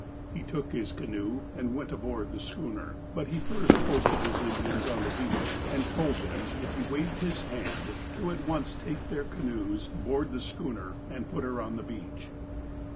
He took his canoe, and went aboard the schooner. But he first posted his Indians on the beach, and told them if he waved his hand to at once take their canoes, board the schooner, and put her on the beach.